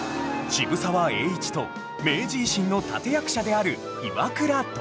渋沢栄一と明治維新の立役者である岩倉具視